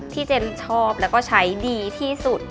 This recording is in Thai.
ที่เจนชอบแล้วก็ใช้ดีที่สุด